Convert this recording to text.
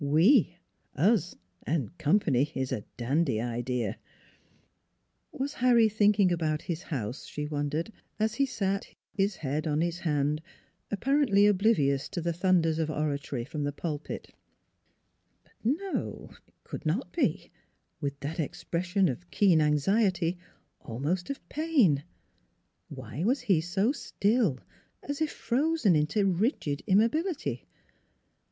" We, us, and company is a dandy idea." Was Harry thinking about his house, she won dered, as he sat, his head on his hand, appar ently oblivious to the thunders of oratory from the pulpit? Her dark gaze lingered question ingly on his averted face. But, no! it could not be with that expression of keen anxiety, almost of pain. ... Why was he so still, as if frozen into rigid immobility?